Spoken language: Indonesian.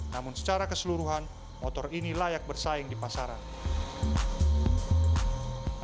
namun secara keseluruhan motor ini layak bersaing di pasaran